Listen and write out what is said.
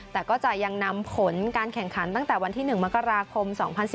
แต่ก็จะยังนำผลการแข่งขันตั้งแต่วันที่๑มกราคม๒๐๑๙